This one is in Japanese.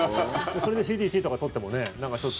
それでＣＤ１位とか取ってもねなんかちょっと。